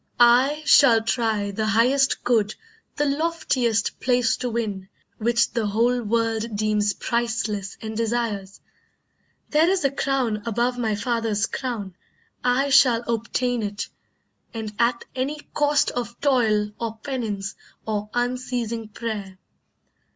I shall try The highest good, the loftiest place to win, Which the whole world deems priceless and desires. There is a crown above my father's crown, I shall obtain it, and at any cost Of toil, or penance, or unceasing prayer.